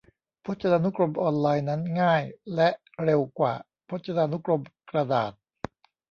พจนานุกรมออนไลน์นั้นง่ายและเร็วกว่าพจนานุกรมกระดาษ